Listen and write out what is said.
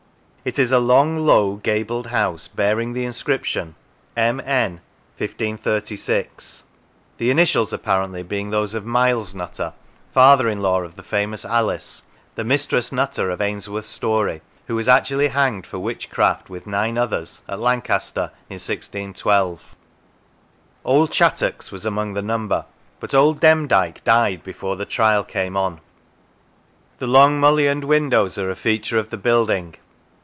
It is a long, low, gabled house, bearing the inscription " M. N. 1536," the initials, apparently, being those of Miles Nutter, father in law of the famous Alice, the " Mistress Nutter " of Ainsworth's story, who was actually hanged for witchcraft, with nine others, at Lancaster in 1612. " Old Chattox" was among the number, but " Old Demdike " died 209 DD Lancashire before the trial came on. The long mullioned windows are a feature of the building.